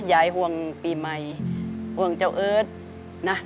ยายห่วงปี่มัยห่วงเจ้าเอิร์ตนะ